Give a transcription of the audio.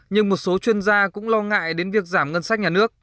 nhưng một số chuyên gia cũng lo ngại đến việc giảm ngân sách nhà nước